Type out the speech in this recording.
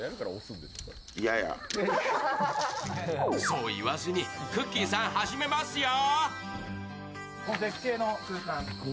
そう言わずに、くっきー！さん、始めますよ。